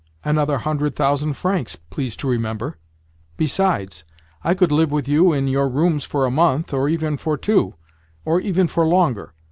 "Another hundred thousand francs, please to remember. Besides, I could live with you in your rooms for a month, or even for two; or even for longer.